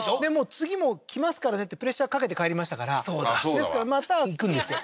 次も来ますからねってプレッシャーかけて帰りましたからそうだわですからまた行くんですよ